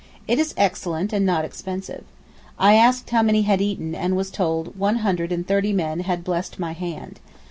It is excellent and not expensive. I asked how many had eaten and was told one hundred and thirty men had 'blessed my hand.